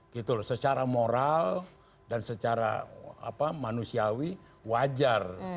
gitu loh secara moral dan secara manusiawi wajar